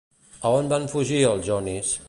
A on van fugir els jonis?